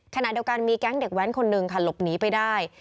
ขณะเดียวกันมีแก๊งเด็กแว้นคนหนึ่งค่ะหลบหนีไปได้